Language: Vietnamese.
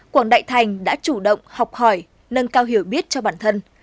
quảng đại thành đã chủ động học hỏi nâng cao hiểu biết cho bản thân